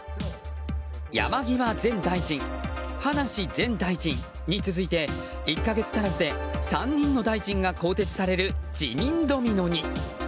山際前大臣、葉梨前大臣に続いて１か月足らずで３人の大臣が更迭される辞任ドミノに。